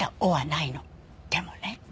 でもね